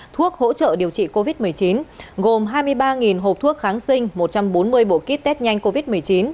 thuốc hỗ trợ điều trị covid một mươi chín gồm hai mươi ba hộp thuốc kháng sinh một trăm bốn mươi bộ kit test nhanh covid một mươi chín